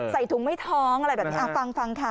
ใส่ถุงไม่ท้องอะไรแบบนี้ฟังค่ะ